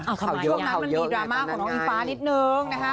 ช่วงนั้นมันมีดราม่าของน้องอีฟานิดนึงนะค่ะ